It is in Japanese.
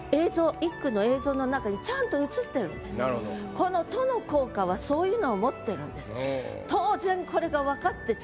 この「と」の効果はそういうのを持ってるんです。